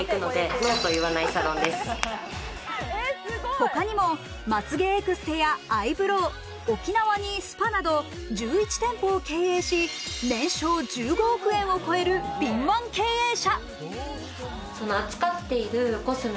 ほかにもまつ毛エクステや、アイブロウ、沖縄にスパなど１１店舗を経営し年商１５億円を超える敏腕経営者。